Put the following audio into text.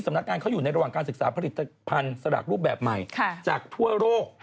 นักงานเขาอยู่ในระหว่างการศึกษาผลิตภัณฑ์สลากรูปแบบใหม่จากทั่วโลก